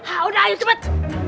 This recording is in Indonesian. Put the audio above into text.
hah udah ayo cepet